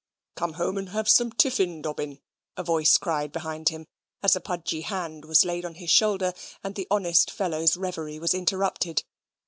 "Come home and have some tiffin, Dobbin," a voice cried behind him; as a pudgy hand was laid on his shoulder, and the honest fellow's reverie was interrupted.